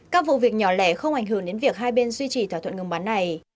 các vụ việc nhỏ lẻ không ảnh hưởng đến việc hai bên duy trì thỏa thuận ngừng bắn này